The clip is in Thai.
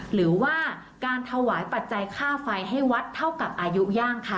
หรือว่าการถวายปัจจัยค่าไฟให้วัดเท่ากับอายุย่างค่ะ